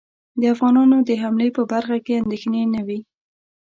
د افغانانو د حملې په برخه کې اندېښنې نه وې.